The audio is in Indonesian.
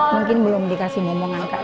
mungkin belum dikasih ngomongan kak